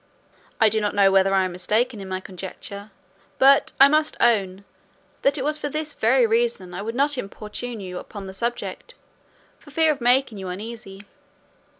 I do not know whether I am mistaken in my conjecture; but I must own, that it was for this very reason I would not importune you upon the subject, for fear of making you uneasy.